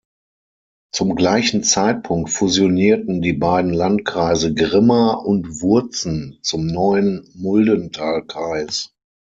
Zum gleichen Zeitpunkt fusionierten die beiden Landkreise Grimma und Wurzen zum neuen Muldentalkreis.